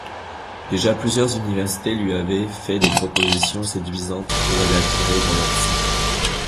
Déjà plusieurs universités lui avaient fait des propositions séduisantes pour l’attirer dans leur sein.